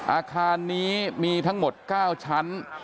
อาคารนี้มีทั้งหมด๙ชั้น